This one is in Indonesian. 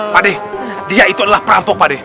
pade dia itu adalah perantok pade